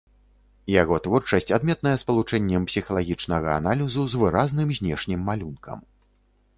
Яго творчасць адметная спалучэннем псіхалагічнага аналізу з выразным знешнім малюнкам.